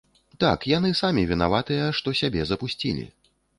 Так, яны самі вінаватыя, што сябе запусцілі.